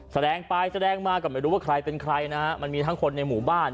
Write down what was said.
แสดงไปแสดงมาก็ไม่รู้ว่าใครเป็นใครนะฮะมันมีทั้งคนในหมู่บ้าน